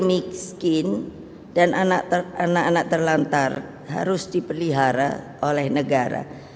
miskin dan anak anak terlantar harus dipelihara oleh negara